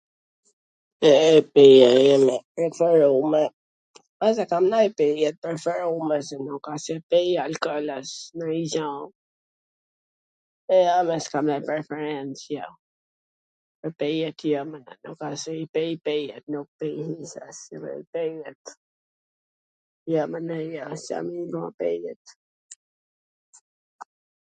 e pija ime e preferume... as qw kam nonj pije t preferume, si nuk as qw pij nonj alkol as nonj gjo, jo, mor, s kam nonj preferenc, jo, pwr pijet jo, asnjw lloj pijet, jo, mor, jo, s jam pwr mua pijet.